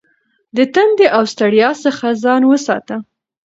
د تندې او ستړیا څخه ځان وساته.